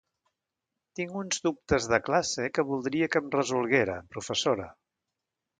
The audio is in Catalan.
Tinc uns dubtes de classe que voldria que em resolguera, professora?